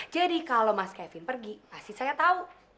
jadi kalau mas kevin pergi pasti saya tahu